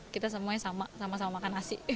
kita semuanya sama sama makan nasi